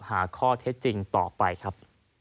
หาข้อเท็จจริงต่อไปครับ